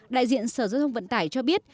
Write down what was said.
đại diện sở giới thông vận tải cho biết